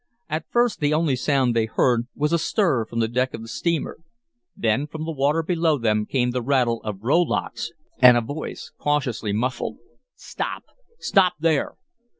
At first the only sound they heard was a stir from the deck of the steamer. Then from the water below them came the rattle of rowlocks and a voice cautiously muffled. "Stop! Stop there!"